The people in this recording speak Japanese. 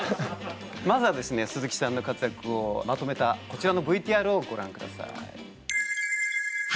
まずは鈴木さんの活躍をまとめたこちらのＶＴＲをご覧ください。